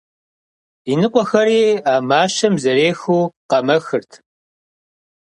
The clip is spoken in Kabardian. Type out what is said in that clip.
Иныкъуэхэри а мащэм зэрехыу къэмэхырт.